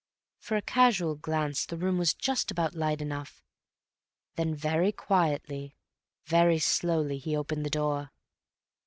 For a casual glance the room was just about light enough. Then very quietly, very slowly he opened the door.